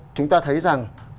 chúng ta thấy rằng